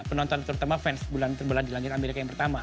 penonton terutama fans bulan terbelah di langit amerika i